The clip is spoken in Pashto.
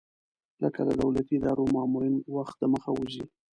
لکه د دولتي ادارو مامورین وخت دمخه وځي.